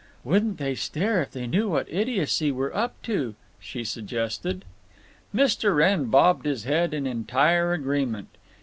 "Wouldn't they stare if they knew what idiocy we're up to!" she suggested. Mr. Wrenn bobbed his head in entire agreement.